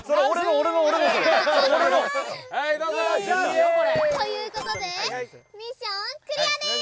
俺の。ということでミッションクリアです！